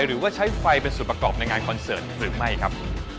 หรือว่าใช้ไฟเป็นส่วนประกอบในงานคอนเสิร์ตหรือไม่ครับ